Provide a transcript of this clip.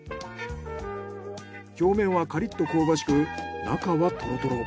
表面はカリッと香ばしく中はトロトロ。